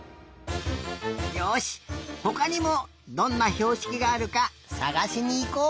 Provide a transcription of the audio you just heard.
よしほかにもどんなひょうしきがあるかさがしにいこう！